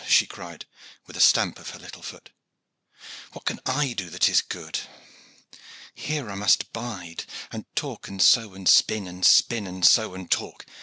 she cried, with a stamp of her little foot. "What can I do that is good? Here I must bide, and talk and sew and spin, and spin and sew and talk.